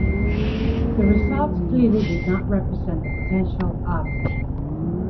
The results clearly did not represent the potential of the team.